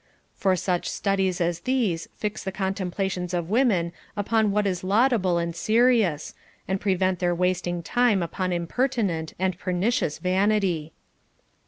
For such studies as these fix the contemplations of women upon what is laudable and serious, and prevent their wasting time upon impertinent and pernicious vanity.